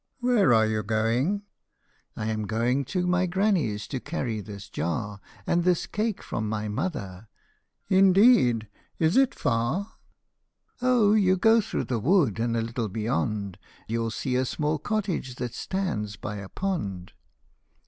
" Where are you going ?"" I am going to my granny's, to carry this jar And this cake from my mother." " Indeed ! Is it far ?"" Oh, you go through the wood, and a little beyond You '11 see a small cottage that stands by a pond."